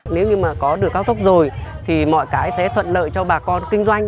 nếu như mà có đường cao tốc rồi thì mọi cái sẽ thuận lợi cho bà con kinh doanh